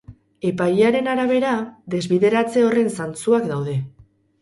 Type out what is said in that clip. Epailearen arabera, desbideratze horren zantzuak daude.